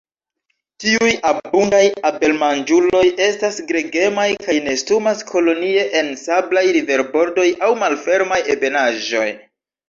Tiuj abundaj abelmanĝuloj estas gregemaj, kaj nestumas kolonie en sablaj riverbordoj aŭ malfermaj ebenaĵoj.